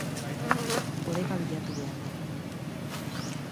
Oreka bilatu behar da.